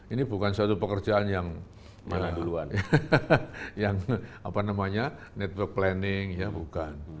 ini bukan satu pekerjaan yang yang apa namanya network planning ya bukan